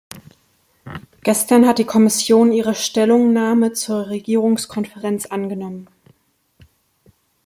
Gestern hat die Kommission ihre Stellungnahme zur Regierungskonferenz angenommen.